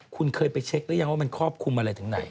คุณเคยไปเช็คหรือยังว่ามันครอบคลุมอะไรถึงไหน